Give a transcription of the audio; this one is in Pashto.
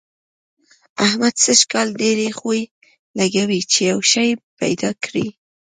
احمد سږ کال ډېرې خوې لګوي چي يو شی پيدا کړي.